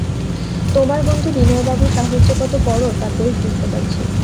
তোমার বন্ধু বিনয়বাবুর সাহস যে কত বড়ো তা বেশ বুঝতে পারছি।